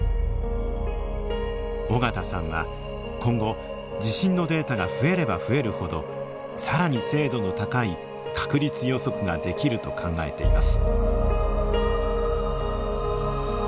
尾形さんは今後地震のデータが増えれば増えるほど更に精度の高い確率予測ができると考えています。